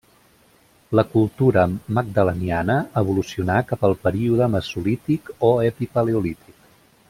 La cultura magdaleniana evolucionà cap al període mesolític o epipaleolític.